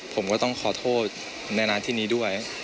ผมก็ต้องขอโทษในหน้าที่นี้ด้วย